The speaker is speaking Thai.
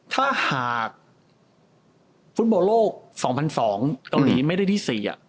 ถ้าหากฟุตบอลโลก๒๐๐๒เกาหลีไม่ได้ที่๔